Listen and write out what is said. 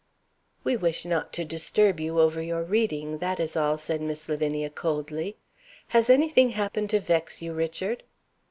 "We wish not to disturb you over your reading, that is all," said Miss Lavinia, coldly. "Has anything happened to vex you, Richard?"